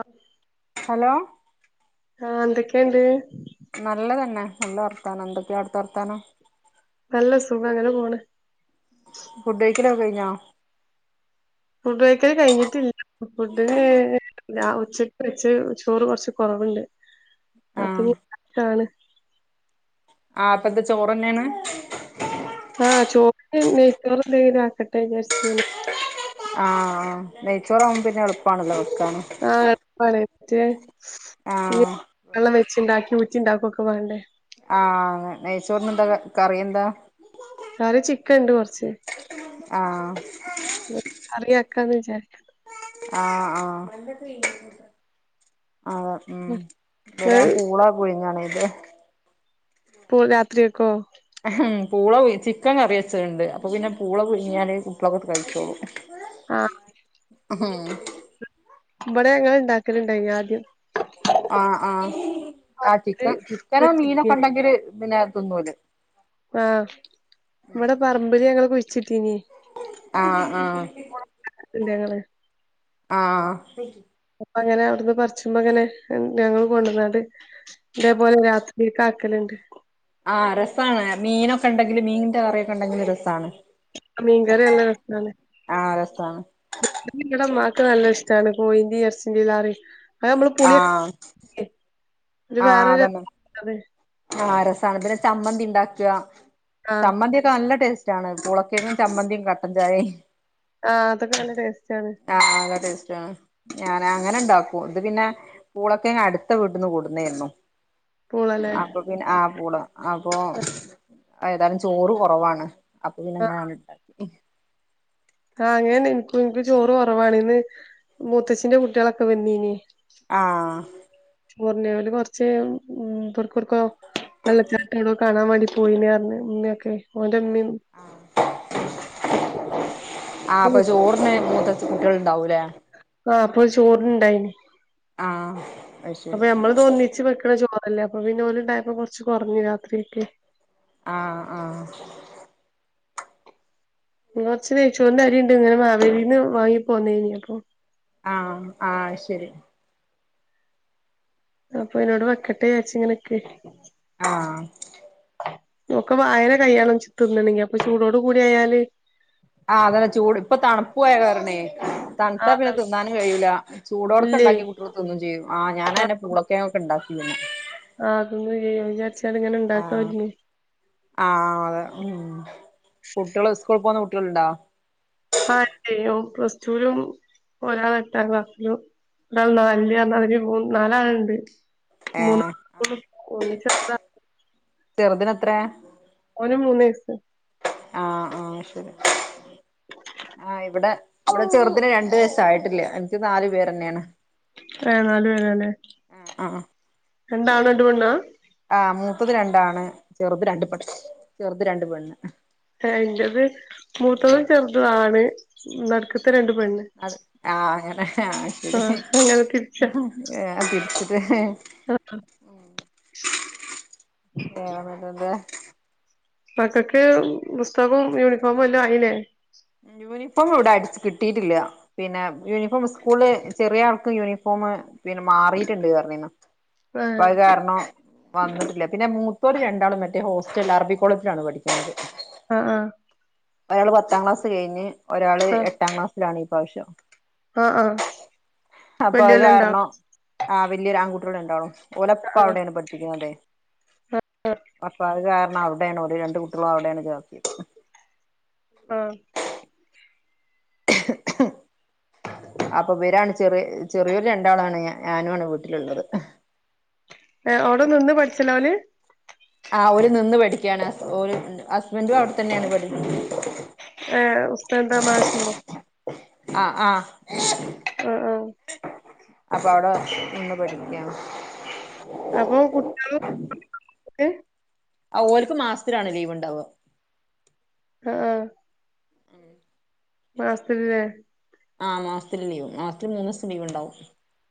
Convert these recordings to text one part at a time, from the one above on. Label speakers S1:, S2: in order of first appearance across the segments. S1: ആ
S2: ഹലോ
S1: ആ എന്തൊക്കെയുണ്ട്
S2: നല്ലതന്നെ നല്ല വർത്താനം എന്തൊക്കെയാ അവിടുത്തെ വർത്താനം
S1: നല്ല സുഖംങ്ങനെ പോണ്
S2: ഫുഡേക്കഴികലൊക്കെ കഴിഞ്ഞോ
S1: ഫുഡ് കൈക്കൽ കഴിഞ്ഞിട്ടില്ല ഫുഡിന് ഞാ ഉച്ചക്ക് വെച്ച് ചോറ് കൊറച്ച് കുറവുണ്ട്
S2: ആഹ്
S1: അപ്പൊ ആണ്
S2: ആ അപ്പത്തെ ചോറ്ന്നെയാണ്
S1: ആഹ് ചോ നെയ്ച്ചോറ്ന്തെലും ആക്കട്ടെ വിചാരിച്ചിങ്ങനെ
S2: ആഹ് നെയ്ച്ചോറ ആവുമ്പോ പിന്നെ എളുപ്പണല്ലോ വെക്കാന്
S1: ആ എളുപ്പാണ് മറ്റേ
S2: ആഹ്
S1: വെള്ളം വെച്ചുണ്ടാക്കി ഊറ്റി ഉണ്ടാക്കും ഒക്കെ വേണ്ടേ
S2: ആഹ് നെയ്ച്ചൂറിന് എന്താ കറി എന്താ
S1: കറി ചിക്കൻ ഇണ്ട് കൊറച്ച്,
S2: ആഹ്
S1: കറി ആക്കാന്ന് വിചാരിക്ക
S2: ആഹ് ആഹ് അതെ ഉം
S1: ഇങ്ങള്
S2: ഇവിടെൻ പൂളാ പുഴുങ്ങാണ് ഇത്
S1: പൂള രാത്രിക്കക്കൊ
S2: മം പൂള ചിക്കൻ കറി വെച്ചതുണ്ട് അപ്പൊ പിന്നെ പൂള പുഴുങ്ങിയാൽ കുട്ടികളൊക്കെ കഴിച്ചോളൂ
S1: ആഹ്
S2: ഉം
S1: ഇബടെ ഞങ്ങൾ ഇണ്ടാക്കലുണ്ടായിന് ആദ്യം
S2: ആഹ് ആഹ് ആ ചിക്കൻ ചിക്കനോ മീനൊക്കെ ഉണ്ടെങ്കില് പിന്നെ തിനും ഓല്
S1: ആഹ് ഇവിടെ പറമ്പിൽ ഞങ്ങള് കുഴിച്ചിട്ടീനീ
S2: ആഹ് ആഹ്
S1: [unintelligible]
S2: ആഹ്
S1: അപ്പ അങ്ങനെ അവിടുന്ന് പറിച്ച്പോ ഇങ്ങനെ ഞങ്ങള് കൊണ്ടുവന്നാണ്ട് ഇതേപോലെ രാത്രിക്ക് ആക്കലുണ്ട്
S2: ആഹ് രസണ് മീനൊക്കെ ഉണ്ടെങ്കിലും മീനിന്റെ കറിയൊക്കെ ഉണ്ടെങ്കിലും രസാണ്
S1: മീൻ കറി നല്ല രസാണ്
S2: ആഹ് രസാണ്
S1: ഇവിടെ ഉമ്മാക്ക് നല്ല ഇഷ്ടമാണ് കൊഴിന്റേം ഇറച്ചിന്റെലേറെ അത് നമ്മള് പുളി
S2: ആഹ്
S1: ഒരു
S2: ആഹ്
S1: വേറെരു
S2: അതന്നെ ആഹ് രസാണ് പിന്നെ ചമ്മന്തിണ്ടാക്കാ
S1: ആഹ്
S2: ചമ്മന്തി ഒക്കെ നല്ല ടേസ് റ്റാണ് പൂളക്കേങ്ങും ചമ്മന്തിം കട്ടൻ ചായിം
S1: ആഹ് അതൊക്കെ നല്ല ടേസ്റ്റാണ്
S2: ആഹ് നല്ലടേസ്റ്റാണ് ഞാന് അങ്ങനെ ഇണ്ടാക്കും ഇത് പിന്നെ പൂളക്കേങ്ങ് അട്ത്തെ വീട്ട്ന്ന് കൊട്ന്നേന്നു
S1: പൂളലേ
S2: പിന്നെ അഹ് പൂള അപ്പൊ ഏതാലും ചോറ് കൊറവാണ് അപ്പ പിന്നെ
S1: ആഹ്
S2: ഇങ്ങനാണ്ടാക്കി
S1: ആഹ് അങ്ങനെന്നെ ഇന്ക്കും ഇൻക് ചോറ് കൊറവാണ്. ഇന്ന് മൂത്തച്ചിന്റെ കുട്ടിയാളൊക്കെ വന്നീനി
S2: ആഹ്
S1: മുറിഞ് കാണ്ട് കൊർച്ചയിഞ്ഞാ ഉം ഇബട്ക്ക് ഒട്ക്കോ വെള്ളച്ചാട്ടൊ എവിടെ കാണാൻ വേണ്ടി പോയീണ് പർഞ്ഞ് ഇമ്മയൊക്കെ
S2: ആഹ് അപ്പ
S1: ആഹ്
S2: ചോർന് മൂത്തച്ച കുട്ടിയള് ഉണ്ടാവുലേ
S1: ആഹ് അപ്പൊ ചോറ്ന് ഇണ്ടായിനി
S2: ആഹ് അത് ശരി
S1: അപ്പൊ നമ്മള്തൊന്നിച്ച് വെക്കണ ചോറല്ലേ അപ്പൊ പിന്നെ ഓല്ണ്ടായപ്പോ കൊറച്ച് കൊറഞ്ഞ് രാത്രികക്ക്
S2: ആഹ് ആഹ്
S1: കൊറച്ച് നൈച്ചോറിന്റെ അരിണ്ട് ഇന്നലെ മാവേലീന്ന് വാങ്ങിപ്പോന്നേനി അപ്പൊ
S2: ആഹ് അഹ് ശരി
S1: അപ്പൊ അയ്ന്നോട് വെക്കട്ടെ വിചാര്ച്ച് ഇങ്ങനെ നിക്കേയ്നി
S2: ആഹ്
S1: ഒക്കെ വായന കയ്യണം തിന്നണെങ്കി അപ്പൊ ചൂടോട് കൂടി ആയാല്
S2: ആഹ് അതന്നെ ചൂട് ഇപ്പൊ തണുപ്പു ആയ കാരണേ തണുത്താ
S1: ആഹ് ത
S2: പിന്ന തിന്നാനും കഴിയൂല
S1: ഇല്ലേ
S2: ചൂടോട്ക്കെണ്ടാക്കിയ കുട്ടിയള് തിന്നും ചെയ്യും ആ
S1: ആഹ്
S2: ഞാനങ്ങനെ പൂളക്കേങ്ങൊക്കെ ഇണ്ടാക്കീ പിന്നെ
S1: ആഹ് തിന്നും ചെയ്യും അഹ് വിചാച്ചാണ്ട് ഇങ്ങനെ ഇണ്ടാക്കാൻ
S2: ആഹ്
S1: ഒര്ങ്ങി
S2: ആഹ് അതെ ഉം കുട്ട്യോള് സ്കൂൾ പോകുന്ന കുട്ട്യാള് ഇണ്ടോ
S1: ആഹ് ഇണ്ട്‌ ഓൻ പ്ലസ്റ്റൂലും ഒരാള് എട്ടാം ക്ലാസിലും ഒരാൾ നാലില് പർഞ്ഞാതിരി മൂ നാലാളെണ്ട് മൂന്നാ
S2: ഏഹ്
S1: ഒന്ന് ചെർതാ
S2: ചെർതിനെത്രേ
S1: ഓന് മൂന്ന് വയസ്സ്
S2: ആഹ് ആഹ് അഹ് ശെരി ആഹ് ഇവിടെ അവിടെ ചെറ്തിന് രണ്ടു വയസ് ആയിട്ടില്ല എനിക്ക് നാല് പേരന്നേണ്
S1: ഏ നാല് പേരന്നേ
S2: ആഹ്
S1: രണ്ടാണും രണ്ടുപെണ്ണാ
S2: ആഹ് മൂത്തത് രണ്ടാണ് ചെർത് രണ്ട് പട് ചെർത് രണ്ട് പെണ്ണ്
S1: ഇന്റത് മൂത്തതും ചെറുതും ആണ് നട്ക്ക്ത്തെ രണ്ട് പെണ്ണ്
S2: അത് ആഹ് അങ്ങനെ അഹ് ശെരി
S1: ആഹ് അങ്ങനെ തിരിച്ചാ
S2: അത് തിരിച്ചിട്ട്
S1: ആഹ്
S2: ഉം വേറെപ്പന്താ
S1: മക്കക്ക് പുസ്തകും യൂണിഫോമും എല്ലാം ആയിലേ
S2: യൂണിഫോമ് ഇവടെ അടിച്ച് കിട്ടീട്ടില്ല പിന്നെ യൂണിഫോമ് സ്കൂള് ചെറിയ ആൾക്ക് യൂണിഫോമ് പിന്നെ മാറീട്ട്ണ്ട് പറഞ്ഞീന്നു അപ്പ
S1: ഏഹ്
S2: അത് കാരണം വന്നിട്ടില്ല പിന്നെ മൂത്തോര് രണ്ടാളും മറ്റേ ഹോസ്റ്റൽല അർബി കോളേജിലാണ് പഠിക്കുന്നത്
S1: ആഹ് ആഹ്
S2: ഒരാള് പത്താം ക്ലാസ് കഴിഞ്ഞ് ഒരാള്
S1: ആഹ്
S2: എട്ടാം ക്ലാസ്സിലാണ് ഈ പ്രാവിശ്യം
S1: ആഹ് ആഹ്
S2: അപ്പൊ
S1: വല്യോല്ണ്ടാ
S2: അത്കാരണം ആഹ് വെല്ല്യൊരാൺകുട്ട്യള് രണ്ടാളു ഓലപ്പ
S1: ആഹ്
S2: അവുടേണ് പഠിപ്പിക്ക്ണതെ അപ്പ അത്കാരണം അവിടെണ് ഓല് രണ്ട് കുട്ട്യളും അവുടേണ് ചേർത്തിയത്
S1: ആഹ്
S2: അപ്പൊ ഇവരാണ് ചെറിയ ചെറിയൊരു രണ്ടാളാണ് ഞാനു ആണ് വീട്ടിലുള്ളത്
S1: ഏഹ് അവുടെ നിന്ന് പഠിച്ചല ഓന്
S2: ആഹ് ഓല് നിന്ന് പഠിക്ക്യാണ് ഓല് ഹസ്ബൻറും അവുടെ തന്നേണ് പഠി
S1: ഏഹ് ഉസ്താ മാഷോ
S2: ആഹ് ആഹ്
S1: അഹ് ആഹ്
S2: അപ്പൊ അവിടെ നിന്ന് പഠിക്ക്യാണ്
S1: അപ്പൊ കുട്ട്യാളും [inaudible] ഓക്കെ
S2: ആഹ് ഓൽക്ക് മാസത്തിലാണ് ലീവ് ഇണ്ടാവ
S1: ആഹ് ആഹ് മാസത്തില് ല്ലേ
S2: ആഹ് മാസത്തില് ലീവ് മാസത്തിൽ മൂന്നൂസം ലീവ് ഉണ്ടാവും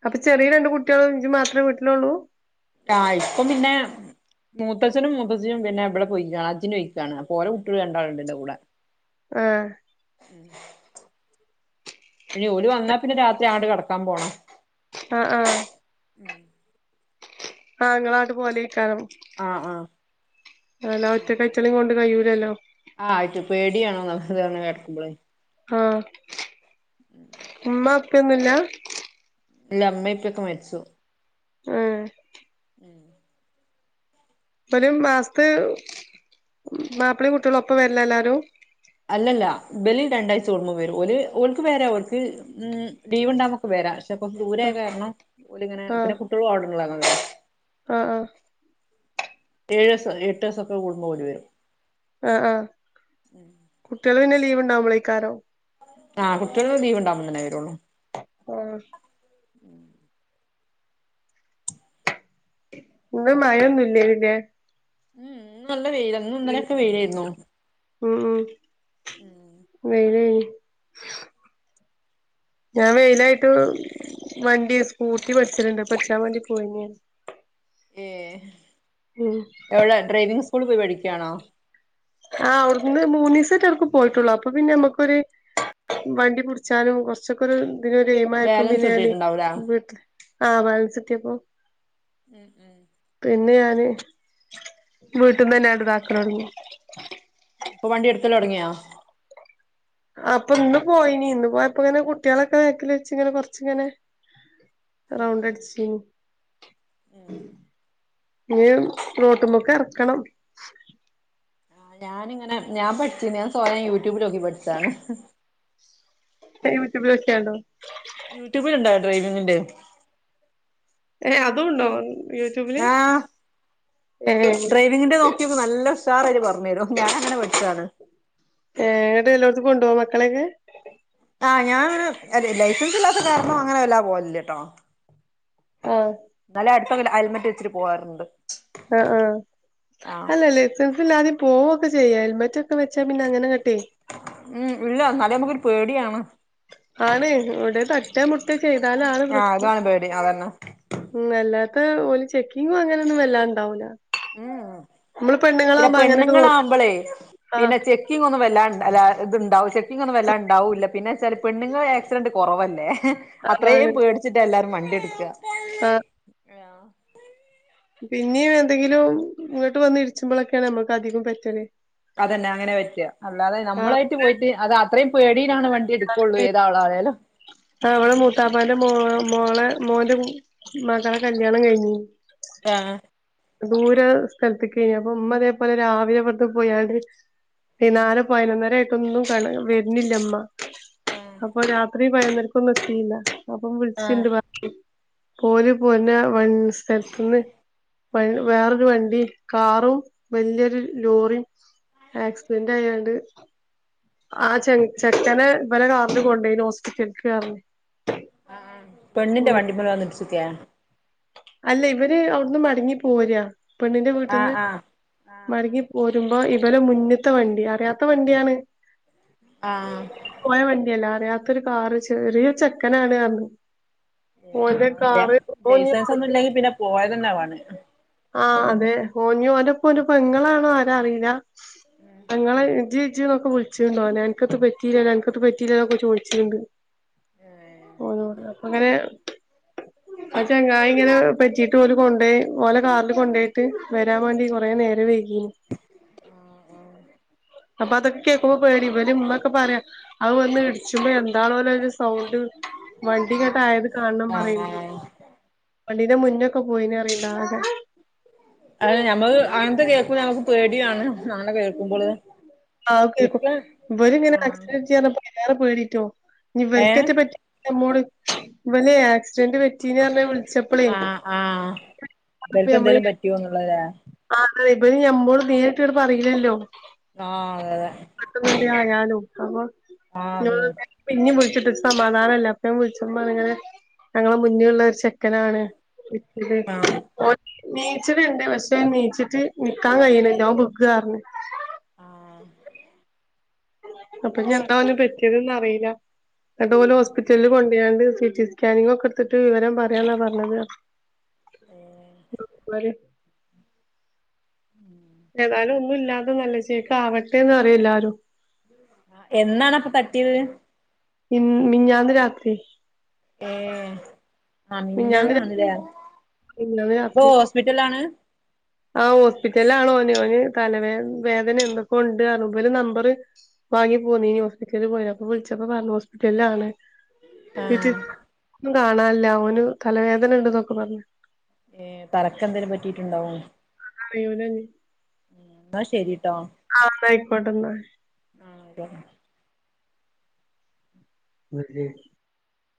S1: അപ്പൊ ചെറിയ രണ്ട് കുട്ട്യളും ഇജ്ജും മാത്ര വീട്ടിലൊള്ളൂ
S2: ആഹ് ഇപ്പം പിന്നെ മൂത്തച്ചനും മുത്തച്ചിയും പിന്നെ ഇബടെ പോയിക്കാ ഹജ്ജിനോയിക്കാണ് അപ്പൊ ഓല കുട്ട്യള് രണ്ടാള്ണ്ട് എന്റെകൂടെ
S1: ആഹ്
S2: പിന്നെ ഓല് വന്നാ പിന്നെ രാത്രിആണ്ട് കെടക്കാൻ പോണം
S1: ആഹ് ആഹ് ആഹ് ഇങ്ങളാണ്ട് പോവലേയ്ക്കാരം
S2: ആഹ് ആഹ്
S1: അല്ല
S2: അങ്ങട്ട് പോവും
S1: ഒറ്റകഴിറ്റളീംകൊണ്ട് കഴിയൂലല്ലോ
S2: ആഹ് അയിറ്റു പേടിയാണോ ഇങ്ങക്ക് അങ്ങനെ കെടക്കുമ്പ്ളേ
S1: ആഹ് ഉമ്മ ഉപ്പിയൊന്നുല്ല്യ
S2: ഇല്ല ഇമ്മി ഇപ്പിക്കെ മരിച്ചു
S1: ആഹ് ഇവരും മാസ്ത്ത് മാപ്പിളീം കുട്ട്യളും ഒപ്പം വര്ല്ല എല്ലാരും
S2: അല്ലല്ല ഇബലി രണ്ടാഴ്ച കൂടുമ്പോം വെരും ഓല് ഓൽക്ക് വേര ഓൽക്ക് ലീവ്ണ്ടാവു മ്പ വെരാ പക്ഷെപ്പം ദൂരായ
S1: ആഹ്
S2: കാരണം ഓലിങ്ങനെ
S1: ആഹ്
S2: പിന്നെ കുട്ട്യളും അവ്ടെള്ളതല്ലേ
S1: ആഹ് ആഹ്
S2: ഏഴ്സൊ എട്ടീസൊക്കെ കൂടുംമ്പം ഓടി വെരും
S1: ആഹ് ആഹ് കുട്ട്യള് പിന്നെ ലീവ്ണ്ടാവുമ്പളേയ്ക്കാരം
S2: ആഹ് കുട്ട്യള് ലീവ്ണ്ടാവുമ്പ തന്നെ വെരൊള്ളൂ
S1: ആഹ് ഇന്ന് മഴൊന്നുല്ല്യേ പിന്നേ
S2: ഉം ഇന്ന് നല്ല വെയില ഇന്നും ഇന്നലെക്കെ വെയിലായിരുന്നു
S1: ഉം ഉം
S2: ഉം
S1: വെയിലേനി ഞാൻ വെയിലായിട്ട് വണ്ടി സ്കൂട്ടി പഠിച്ചല്ണ്ട് പഠിച്ചാവാണ്ടി പോയിനി ഞാന്
S2: ഏഹ്
S1: ഉം
S2: എവ്ടെ ഡ്രൈവിംഗ് സ്കൂൾ പോയി പഠിക്ക്യാണോ
S1: ആഹ് അവുട്ന്ന് മൂന്നീസറ്റേ അട്ക്ക് പോയിട്ടൊള്ളു അപ്പൊ പിന്നെ നമുക്കൊര് വണ്ടി പുടിച്ചാലും കൊറച്ചക്കൊര് തിനൊര് എയ്മായപ്പോ പിന്നെ
S2: ബാലൻസ്
S1: ഞാന്
S2: കിട്ടിയിട്ടുണ്ടാവൂലേ
S1: വീട്ടില് ആഹ് ബാലൻസെത്തിയപ്പോ
S2: ഏഹ് ഏഹ്
S1: പിന്നെ ഞാന് വീട്ട്ന്നന്നെ ഇതാക്കലൊടങ്ങി
S2: ഇപ്പൊ വണ്ടി എടുക്കലൊടങ്ങിയൊ
S1: അപ്പൊ ഇന്ന് പോയിനി ഇന്ന്പോയപ്പങ്ങനെ കുട്ട്യാളൊക്കെ ബേക്ക്ല് വെച്ച് ഇങ്ങനെ കൊർച്ച് ഇങ്ങനെ റൗണ്ടടിച്ചേനി ഇനി റോട്ടുമ്പൊക്കെ ഇറക്കണം
S2: ആഹ് ഞാനിങ്ങനെ ഞാൻ പഠിച്ച ഞാൻ സ്വയം യൂട്യൂബിലോക്കി പഠിച്ചതാണ്
S1: യുട്യുബിൽ നോക്ക്യാണ്ടോ
S2: യൂട്യൂബിൽ ഇണ്ടോ ഡ്രൈവിങ്ങിന്റെ
S1: ഏഹ് അതുണ്ടോ യൂട്യൂബില്
S2: ആഹ്
S1: ഏഹ്
S2: [unintelligible] നല്ല ഉഷാറായിട്ട് പറഞ്ഞു തരും ഞാൻ അങ്ങനെ പഠിച്ചതാണ്
S1: ഏടെ എല്ലോടത്തും കൊണ്ടോവൊ മക്കളൊക്കെ
S2: ആഹ് ഞാൻ ലൈസൻസ് ഇല്ലാത്ത കാരണോ അങ്ങനെ വല്ലാതെ പോവലില്ലാട്ടോ
S1: ആഹ്
S2: നല്ല അടുത്തെ ഹെൽമറ്റ് വെച്ചി പോവാറുണ്ട്
S1: ആഹ് ആഹ്
S2: ആഹ്
S1: അല്ലല്ലേ ബസ്സ് പോകൊക്കെ ചെയ്യാം ഹെൽമറ്റ് ഒക്കെ വെച്ചാ പിന്നെ അങ്ങനെങ്ങട്ടെ
S2: ഉം ഇല്ല എന്നാലും നമുക്കൊരു പേടിയാണ്
S1: ആണ് ഇവിടെ തട്ടെ മുട്ടെ ചെയ്താലാണ്
S2: ആഹ്
S1: പ്രശ്നം
S2: അതാണ് പേടി അതന്നെ
S1: ഉം അല്ലാത്ത ഓല് ചെക്കിങ്ങും അങ്ങനെയൊന്നും വല്ലാതെ ഇണ്ടാവൂല
S2: ഉം
S1: നമ്മള്
S2: പിന്നെ
S1: പെണ്ണുങ്ങളാകുമ്പോ അങ്ങനങ്ങട് പോകും ആഹ്
S2: ചെക്കിങ്ങൊന്നും വല്ലാണ്ട് ഇത്ണ്ടാവും ചെക്കിങ് ഒന്നും വല്ലാണ്ടാവൂല്ല പിന്നെ വെച്ചാൽ പെണ്ണുങ്ങള് ആക്സിഡന്റ് കുറവല്ലേ അത്രയും
S1: ആണ്
S2: പേടിച്ചിട്ടാ എല്ലാരും മണ്ടിയോടിക്ക
S1: ആഹ്
S2: ആഹ്
S1: പിന്നെം എന്തെങ്കിലും ഇങ്ങോട്ട് വന്ന് ഇടിച്ചുമ്പോളൊക്കെയാണ് നമ്മുക്ക് അധികം പറ്റല്
S2: അതെന്നെ അങ്ങനെ പറ്റുക അല്ലാതെ നമ്മളായിട്ട് പോയിട്ട് അത് അത്രയും പേടീലാണ് വണ്ടി എടുക്കുള്ളൂ ഏതാളായാലും
S1: ആ അവിടെ മൂത്താപ്പാന്റെ മോളെ മോന്റെ മകളെ കല്യാണം കഴിഞ്ഞു
S2: ഏഹ്
S1: ദൂര സ്ഥൽത്ത്ക്കെനി അപ്പ ഉമ്മ ഇതേപോലെ രാവിലെ ഇവട്‌ക്ക് പോയാണ്ട് വൈന്നാരം പയിനൊന്നര ആയിട്ടൊന്നും വര്നില്ല ഇമ്മ അപ്പൊ രാത്രി പയിന്നൊരക്കൊന്നും എത്തീല്ല അപ്പം
S2: ആഹ്
S1: വിൾച്ചീണ്ട് പ പോര് പോര്നെ വൻസ് സ്ഥൽത്ത്ന്ന് വ വേറൊരു വണ്ടി കാറും വല്ല്യോരു ലോറിം ആക്സിഡന്റ് ആയാണ്ട് ആ ചെ ചെക്കനെ ഇവലെ കാർല് കൊണ്ടയിന് ഹോസ്പിറ്റൽക്ക് പർഞ്ഞ്
S2: ഉം പെണ്ണിന്റെ വണ്ടിമല് വന്ന് ഇട്‌ച്ചക്കെ
S1: അല്ല ഇവര് അവ്ട്ന്ന് മടങ്ങി പോരാ പെണ്ണിന്റെ
S2: ആഹ്
S1: വീട്ടിന്ന്
S2: ആഹ്
S1: മടങ്ങി പോരുമ്പോ ഇപല മുന്ന്ത്തെ വണ്ടി അറിയാത്ത വണ്ടിയാണ്
S2: ആഹ്
S1: പോയ വണ്ടിയല്ല അറിയാത്തൊരു കാറ് ചെറ്യോരു ചെക്കനാണ് പർഞ് ഓന്റെ കാറ് ഓന്
S2: ലൈസൻസ് ഒന്നു ഇല്ലെങ്കി പിന്നെ പോയതന്നെ ആവാണ്
S1: ആഹ് അതെ ഓ ഇഞ് ഓന്റെപ്പൊ ഓന്റെ പെങ്ങളാണോ ആരാ അറീല പെങ്ങളെ ഇജ്ജി ഇജ്ജിന്നോക്ക വ്ൾ ചീണ്ട് ഓനെ അൻക്ക് എത്തും പറ്റീല്ലല്ലോ അൻക്കത്തും പറ്റീല്ലല്ലോ എന്നൊക്കെ ച്ചോയിച്ചിണ്ട് ഓനോട് അപ്പ ഇങ്ങനെ അ ചങ്ങായി ഇങ്ങനെ പറ്റീട്ട് ഓല് കൊണ്ടയി ഓലെ കാർല് കൊണ്ടയി ട്ട് വരാൻ വാണ്ടി കോറെ നേരം വൈകീനി അപ്പ അതൊക്കെ ഇപ്പൊ പേടി ഇവല് ഇമ്മ ക്കെ പറയാ അത് വന്ന് ഇട്‌ച്ചപ്പൊ എന്താണോലോ അയിന്റെ സൗണ്ട് വണ്ടിങ്ങട്ട്
S2: ആഹ്
S1: ആയത്
S2: അതാണ്
S1: കാണണം പറയ്‌ണ്ട്
S2: ആഹ്
S1: വണ്ടീന്റെ മുന്നക്കെ പോയിണ് അറീണ്ട് ആകെ
S2: അതെ ഞമ്മള് അങ്ങൻത്തെ കേക്കു ഞമ്മക്ക് പേടിയാണ് നമ്മളെ കേൾക്കുമ്പള്
S1: ആ [unintelligible] ഇവര് ഇങ്ങനെ
S2: ആഹ്
S1: ആക്സിഡന്റ് പറ്റി പർഞ്ഞപ്പോ അയിലേറെ പേടിട്ടോ ഇഞ്
S2: ഏഹ്
S1: ഇവെൽക്കേറ്റെ പ നമ്മോട് ഇവല് ആക്സിഡന്റ് പറ്റീന് പർഞ് വിൾച്ച
S2: ആഹ് ആഹ് ഇവൽക്ക്
S1: നമ്മള്
S2: എന്തേലും പറ്റിയോന്ന്ള്ള ലെ
S1: ആ അതെ ഇബല് ഞമ്മോട് നേര്ട്ട്ങ്ങട്ട് പറീലല്ലോ
S2: ആഹ് അതെ അതെ
S1: [unintelligible] ആയാലും അപ്പൊ
S2: ആഹ് അതെ
S1: [unintelligible] പിന്നിം വിൾച്ട്ട് ഒര് സമാധാനല്ല അപ്പം വിൾച്ചപ്പ പർഞ് ഇങ്ങനെ ഞങ്ങളെ മുന്നിലുള്ള ഒര് ചെ ക്കനാണ് പറ്റീത്
S2: ആഹ്
S1: ഓൽ നീച്ച്ന്ണ്ട് പക്ഷെ നീച്ചിട്ട് നിക്കാൻ കയ്യ്ണില്ല ഓൻ വ്ഖ
S2: ആഹ്
S1: അപ്പ ഇഞ് എന്താ ഓന് പറ്റിയത് ന്ന് അറീല ന്നട്ട് ഓല് ഹോസ്പിറ്റൽല് കൊണ്ടായാണ്ട് സിട്ടി സ്കാനിങ്ങൊക്ക ഇട്ത്തിട്ട് വിവരം പറയാന്നാ പർഞ്ഞത് [unintelligible]
S2: ഉം
S1: ഏതാലും ഒന്നും ഇല്ലാതെ നല്ല ചേക്ക് ആവട്ടെന്ന് പറയ എല്ലാരും
S2: എന്നാണ് അപ്പ തട്ടിയത്
S1: ഇ മിഞ്ഞാന്ന് രാത്രി
S2: ഏഹ് ആ
S1: മിഞ്ഞാന്ന് രാ
S2: മിഞ്ഞാന്നാണ് ലെ
S1: മിഞ്ഞാന്ന്
S2: ഇപ്പൊ
S1: രാത്രി
S2: ഹോസ്പിറ്റൽലാണ്
S1: ആ ഹോസ്പിറ്റൽലാണ് ഓന് ഓന് തലവേ വേദന എന്തക്കോ ഇണ്ട് പർഞ്ഞു ഇവല് നമ്പറ് വാങ്ങി പൊന്നീനി ഹോസ്പിറ്റൽല് പോയപ്പൊ വിൾച്ചപ്പോ പർഞ്ഞു ഹോസ്പിറ്റൽലാണ് സി ട്ടി
S2: ആഹ്
S1: കാണാല്ല ഓന് തലവേദന ഇണ്ട് ന്നൊക്കെ പർഞ്
S2: ഏഹ് തലക്കെന്തേങ്കിലും പറ്റിയിട്ടുണ്ടാവും
S1: അറിയൂല
S2: എന്നാ ശരിട്ടോ
S1: ആഹ് ആയിക്കോട്ടെന്നാ
S2: ആഹ് അതെ
S1: [unintelligible]